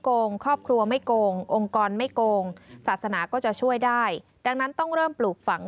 โกงครอบครัวไม่โกงองค์กรไม่โกงศาสนาก็จะช่วยได้ดังนั้นต้องเริ่มปลูกฝัง